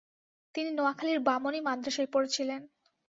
তিনি নোয়াখালীর বামনী মাদ্রাসায় পড়ছিলেন।